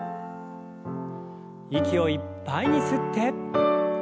息をいっぱいに吸って。